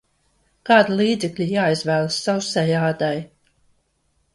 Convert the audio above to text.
Kādi līdzekļi jāizvēlas sausai ādai?